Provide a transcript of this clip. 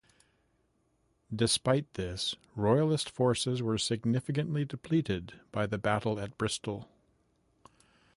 Despite this, Royalist forces were significantly depleted by the battle at Bristol.